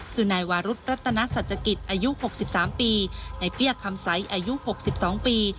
คือนายวารุธรัตนสัจจกิตอายุหกสิบสามปีนายเปี้ยคำไซอายุหกสิบสองปี